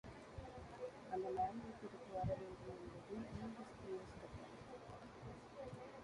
அந்த நாயைப் பிடித்து வர வேண்டும் என்பது யூரிஸ்தியஸ் கட்டளை.